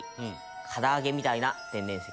唐揚げみたいな天然石。